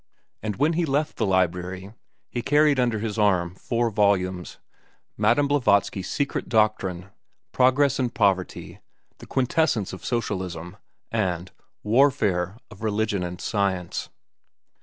And when he left the library, he carried under his arm four volumes: Madam Blavatsky's "Secret Doctrine," "Progress and Poverty," "The Quintessence of Socialism," and "Warfare of Religion and Science."